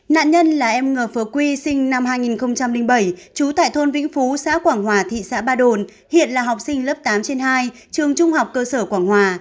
nạn nhân là em ngờ phớ quy sinh năm hai nghìn bảy trú tại thôn vĩnh phú xã quảng hòa thị xã ba đồn hiện là học sinh lớp tám trên hai trường trung học cơ sở quảng hòa